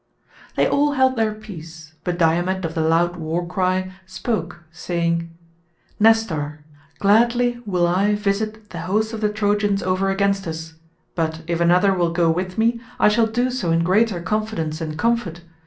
They all held their peace, but Diomed of the loud war cry spoke saying, "Nestor, gladly will I visit the host of the Trojans over against us, but if another will go with me I shall do so in greater confidence and comfort.